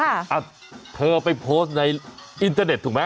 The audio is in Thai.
อ่ะเธอไปโพสต์ในอินเทอร์เน็ตถูกไหม